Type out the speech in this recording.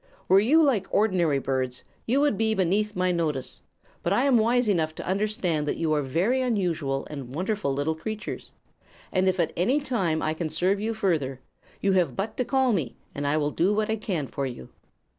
Were you like ordinary birds, you would be beneath my notice; but I am wise enough to understand that you are very unusual and wonderful little creatures, and if at any time I can serve you further, you have but to call me, and I will do what I can for you."